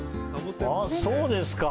そうですか。